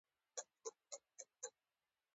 له موږ سره وغږېد